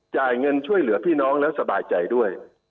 จ่ายเงินช่วยเหลือพี่น้องแล้วสบายใจด้วย